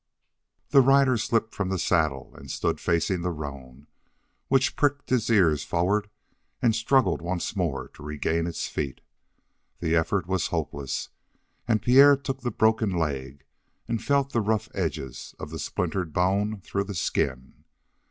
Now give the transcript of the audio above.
The rider slipped from the saddle and stood facing the roan, which pricked its ears forward and struggled once more to regain its feet. The effort was hopeless, and Pierre took the broken leg and felt the rough edges of the splintered bone through the skin.